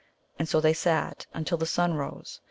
And so they sat until the sun rose.